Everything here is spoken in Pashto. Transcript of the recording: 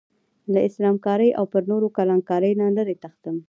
له اسلام کارۍ او پر نورو کلان کارۍ نه لرې تښتم.